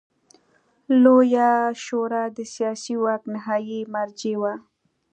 لویه شورا د سیاسي واک نهايي مرجع وه.